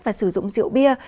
và sử dụng rượu bia